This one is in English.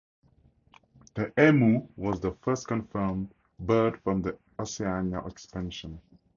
The Emu was the first confirmed bird from the Oceania Expansion.